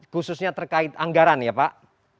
khususnya terkait anggaran ya pak